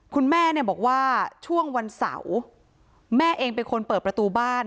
คุณแม่เนี่ยบอกว่าช่วงวันเสาร์แม่เองเป็นคนเปิดประตูบ้าน